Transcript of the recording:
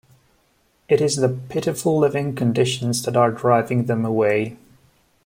It is the pitiful living conditions that are driving them away.